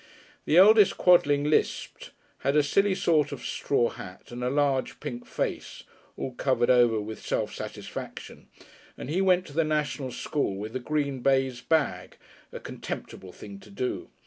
The eldest Quodling lisped, had a silly sort of straw hat and a large pink face (all covered over with self satisfaction), and he went to the National School with a green baize bag a contemptible thing to do.